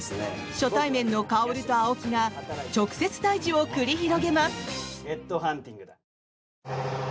初対面の薫と青木が直接対峙を繰り広げます。